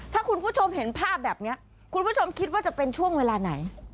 ถ้าคุณผู้ชมเห็นภาพแบบนี้คุณผู้ชมคิดว่าจะเป็นช่วงเวลาไหน